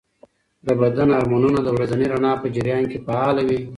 د بدن هارمونونه د ورځني رڼا په جریان کې فعاله وي.